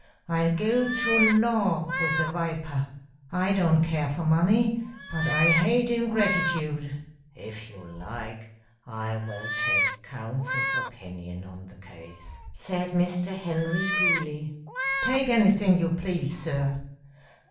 I'll go to law with the viper. I don't care for money, but I hate ingratitude." "If you like, I will take counsel's opinion on the case," said Mr. Henry, coolly. "Take anything you please, sir.